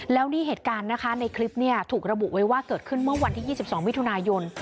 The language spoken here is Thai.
แล้วนี่เหตุการณ์นะคะในคลิปเนี่ยถูกระบุไว้ว่าเกิดขึ้นเมื่อวันที่๒๒มิถุนายน